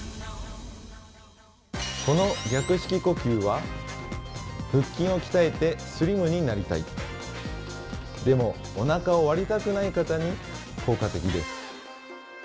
この逆式呼吸は腹筋を鍛えてスリムになりたいでもおなかを割りたくない方に効果的です。